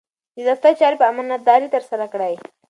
د دفتر چارې په امانتدارۍ ترسره کړئ.